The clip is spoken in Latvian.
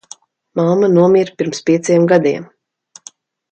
Mamma nomira pirms pieciem gadiem.